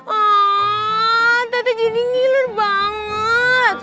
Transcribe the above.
aaaaah tata jadi ngiler banget